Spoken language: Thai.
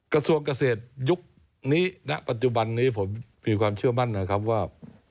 กระทรวงเกษตรยุคนี้ณปัจจุบันนี้ผมมีความเชื่อมั่นนะครับว่า